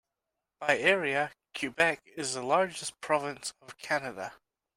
By area, Quebec is the largest province of Canada.